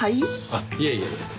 あっいえいえ。